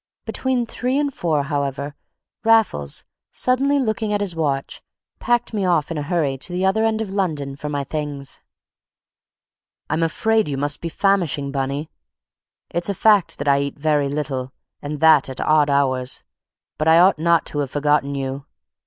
Between three and four, however, Raffles, suddenly looking at his watch, packed me off in a hurry to the other end of London for my things. "I'm afraid you must be famishing, Bunny. It's a fact that I eat very little, and that at odd hours, but I ought not to have forgotten you.